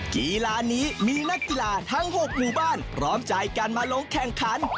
กีฬานี้มีนักกีฬาทั้ง๖หมู่บ้านพร้อมใจกันมาลงแข่งขัน